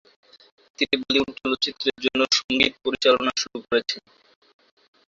তিনি বলিউড চলচ্চিত্রের জন্য সঙ্গীত পরিচালনা শুরু করেছেন।